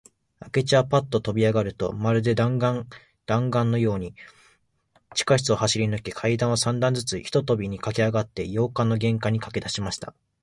明智はパッととびあがると、まるで弾丸だんがんのように、地下室を走りぬけ、階段を三段ずつ一とびにかけあがって、洋館の玄関にかけだしました。